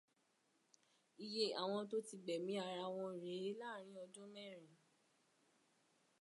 Iye àwọn tó ti gbẹ̀mí ara wọn rèé láàárín ọdún mẹ́rin.